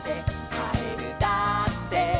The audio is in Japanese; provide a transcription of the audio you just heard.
「かえるだって」